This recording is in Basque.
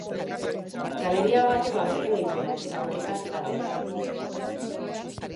Galeria batek babesten gintuen, eta korrika hasi gara.